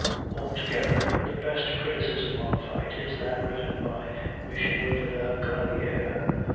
Altogether the best criticism on the fight is that written by M. de la Gravière.